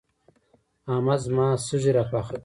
احمد زما سږي راپاخه کړل.